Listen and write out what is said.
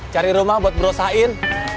cari rumah buat berusahain